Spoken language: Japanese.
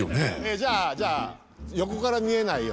じゃあじゃあ横から見えないようにね